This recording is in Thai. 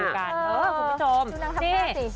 คุณผู้ชมนี่